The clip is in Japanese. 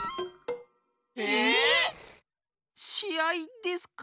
しあいですか？